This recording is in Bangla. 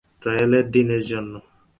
ট্রায়ালের দিনের জন্য।